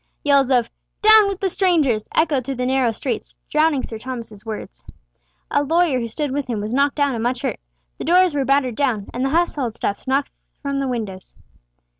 Yells of "Down with the strangers!" echoed through the narrow streets, drowning Sir Thomas's voice. A lawyer who stood with him was knocked down and much hurt, the doors were battered down, and the household stuff thrown from the windows.